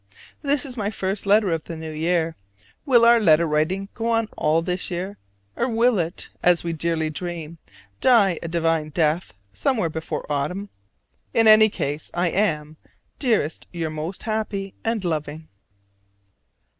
This is my first letter of the new year: will our letter writing go on all this year, or will it, as we dearly dream, die a divine death somewhere before autumn? In any case, I am, dearest, your most happy and loving.